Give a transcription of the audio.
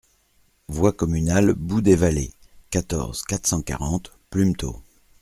Voie Communale Bout des Vallées, quatorze, quatre cent quarante Plumetot